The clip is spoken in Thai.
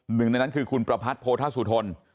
หนึ่งในนั้นคือคุณประพัทธ์โพธสุทน